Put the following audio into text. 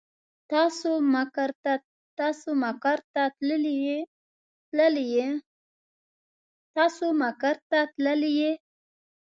تاسې مقر ته تللي يئ.